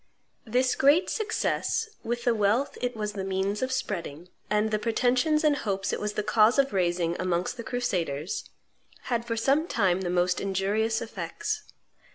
This great success, with the wealth it was the means of spreading, and the pretensions and hopes it was the cause of raising amongst the crusaders, had for some time the most injurious effects.